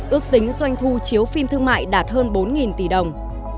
ước tính doanh thu chiếu phim thương mại đạt hơn bốn tỷ đồng